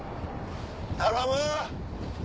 頼む！